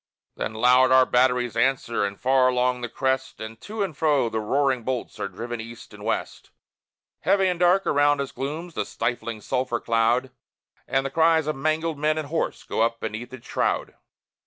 Then loud our batteries answer, and far along the crest, And to and fro the roaring bolts are driven east and west; Heavy and dark around us glooms the stifling sulphur cloud, And the cries of mangled men and horse go up beneath its shroud.